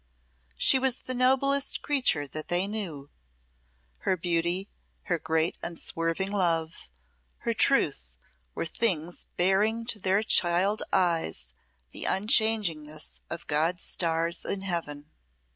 She was the noblest creature that they knew; her beauty, her great unswerving love, her truth, were things bearing to their child eyes the unchangingness of God's stars in heaven.